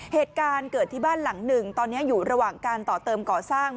เหตุการณ์เกิดที่บ้านหลังหนึ่งตอนนี้อยู่ระหว่างการต่อเติมก่อสร้าง